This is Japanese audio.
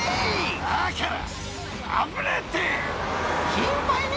だから。